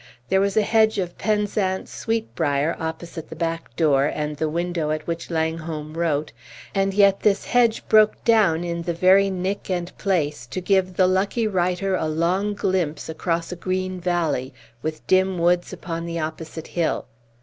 There was a hedge of Penzance sweet brier opposite the backdoor and the window at which Langholm wrote, and yet this hedge broke down in the very nick and place to give the lucky writer a long glimpse across a green valley, with dim woods upon the opposite hill.